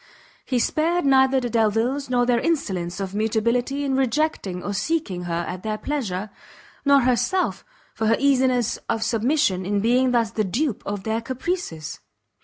He spared neither the Delviles for their insolence of mutability in rejecting or seeking her at their pleasure, nor herself for her easiness of submission in being thus the dupe of their caprices.